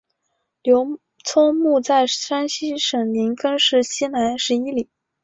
刘聪墓在山西省临汾市西南十一里。